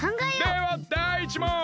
ではだい１もん！